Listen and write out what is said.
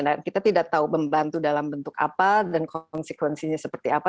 dan kita tidak tahu membantu dalam bentuk apa dan konsekuensinya seperti apa